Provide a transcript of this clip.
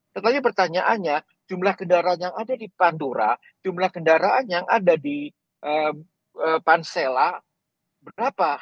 tetapi pertanyaannya jumlah kendaraan yang ada di pantura jumlah kendaraan yang ada di pansella berapa